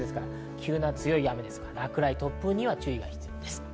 急な強い雨、落雷、突風には注意が必要です。